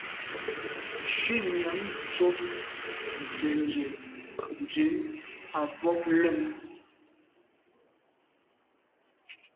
Shutnyàm tshob nzenze ndù à bwôg lem.